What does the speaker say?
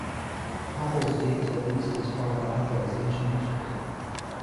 Hobbles date at least as far back as Ancient Egypt.